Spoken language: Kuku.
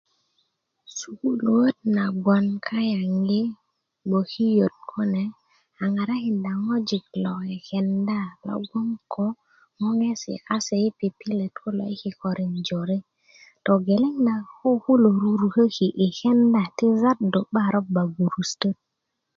sukuluöt na bgoŋ kayaŋ i bgokiyöt kune a ŋarakinda ŋojik lo kekenda logon bgoŋ ko ŋoŋesi kase i bpipilet kulo i kilölin jore togeleŋ na ko kulo ruruköki i kenda ti zadu 'ba roba gurusutöt